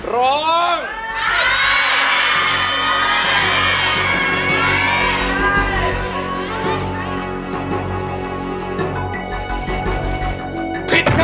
ร้องให้ได้เร็ว